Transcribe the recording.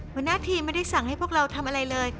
หัวหน้าทีมไม่ได้สั่งให้พวกเราทำอะไรเลย